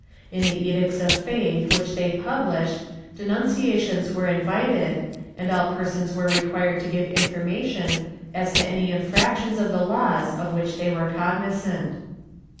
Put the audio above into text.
* In the Edicts of Faith which they published, denunciations were invited, and all persons were re quired to give information as to any infractions of the laws of which they were cognizant.